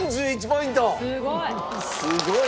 すごい！